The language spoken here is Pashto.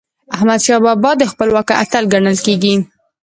احمدشاه بابا د خپلواکی اتل ګڼل کېږي.